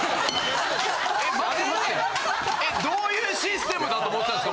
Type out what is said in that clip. どういうシステムだと思ってたんですか？